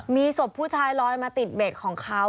มีศพผู้ชายลอยมาติดเบ็ดของเขา